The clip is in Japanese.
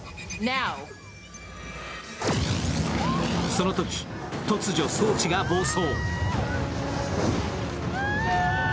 そのとき突如、装置が暴走。